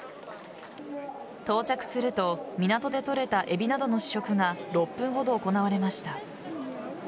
到着すると港で取れたエビなどの試食が６分ほど行われました。